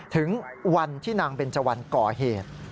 ถึงวันที่นางเบนเจวันก่อเหตุ